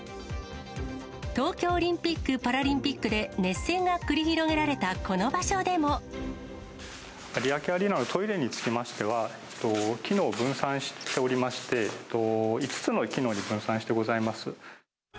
東京オリンピック・パラリンピックで熱戦が繰り広げられたこの場有明アリーナのトイレにつきましては、機能を分散しておりまして、５つの機能に分散してございます。